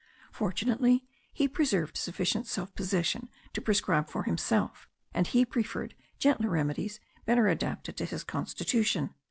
Fortunately he preserved sufficient self possession to prescribe for himself; and he preferred gentler remedies better adapted to his constitution.